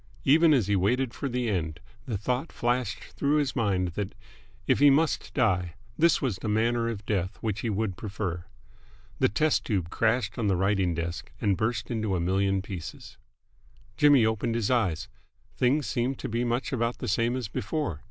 Even as he waited for the end the thought flashed through his mind that, if he must die, this was the manner of death which he would prefer. The test tube crashed on the writing desk, and burst into a million pieces. ... Jimmy opened his eyes. Things seemed to be much about the same as before.